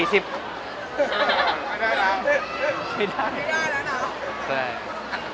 ไม่ได้แล้ว